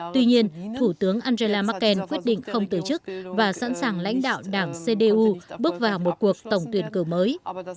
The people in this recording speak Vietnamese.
tuy nhiên thủ tướng angela merkel quyết định không từ chức và sẵn sàng lãnh đạo đảng cdu bước vào một cuộc tổng tuyển cử mới